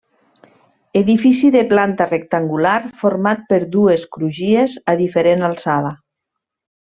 Edifici de planta rectangular format per dues crugies a diferent alçada.